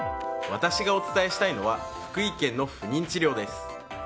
私がお伝えしたいのは福井県の不妊治療です。